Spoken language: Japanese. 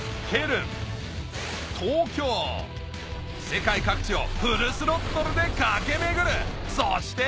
世界各地をフルスロットルで駆け巡るそして！